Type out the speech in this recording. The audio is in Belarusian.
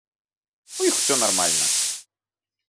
У іх усё нармальна.